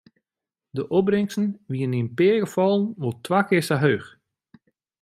De opbringsten wiene yn in pear gefallen wol twa kear sa heech.